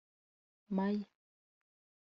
Maya